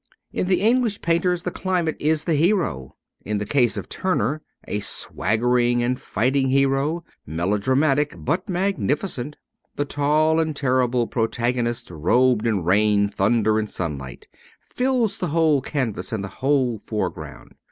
In the English painters the climate is the hero ; in the case of Turner a swaggering and fighting hero, melo dramatic but magnificent. The tall and terrible protagonist robed in rain, thunder, and sunlight, fills the whole canvas and the whole foreground.